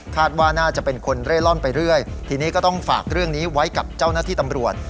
ว่าน่าจะเป็นคนเร่ร่อนไปเรื่อยทีนี้ก็ต้องฝากเรื่องนี้ไว้กับเจ้าหน้าที่ตำรวจ